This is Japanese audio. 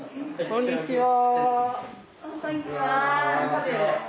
こんにちは。